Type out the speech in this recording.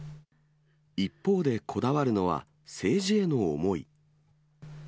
一方でこだわるのは、政治への思い。